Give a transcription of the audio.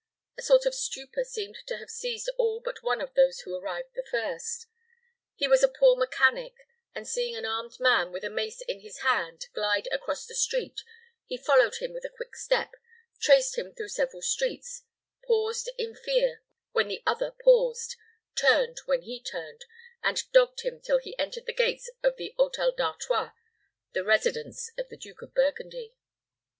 A sort of stupor seemed to have seized all but one of those who arrived the first. He was a poor mechanic; and, seeing an armed man, with a mace in his hand, glide across the street, he followed him with a quick step, traced him through several streets, paused in fear when the other paused, turned when he turned, and dogged him till he entered the gates of the Hôtel d'Artois, the residence of the Duke of Burgundy.